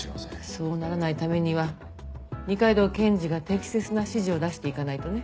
そうならないためには二階堂検事が適切な指示を出していかないとね。